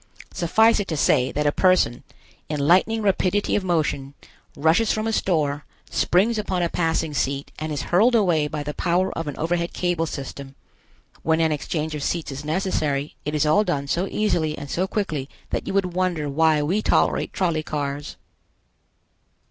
Suffice it to say that a person, in lightning rapidity of motion, rushes from a store, springs upon a passing seat and is hurled away by the power of an overhead cable system. When an exchange of seats is necessary, it is all done so easily and so quickly that you would wonder why we tolerate trolley cars.